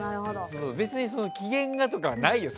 別に機嫌がとかはないよ